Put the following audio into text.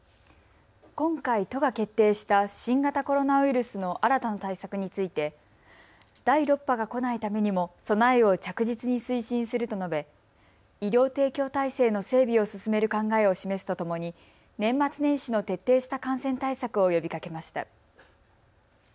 今回、都が決定した新型コロナウイルスの新たな対策について第６波が来ないためにも備えを着実に推進すると述べ、医療提供体制の整備を進める考えを示すとともに年末年始の徹底した感染対策を呼びかけました。